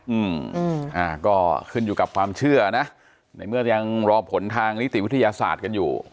อืมอ่าก็ขึ้นอยู่กับความเชื่อนะในเมื่อยังรอผลทางนิติวิทยาศาสตร์กันอยู่